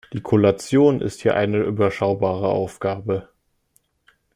Die Kollation ist hier eine überschaubare Aufgabe.